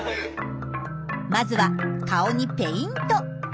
まずは顔にペイント。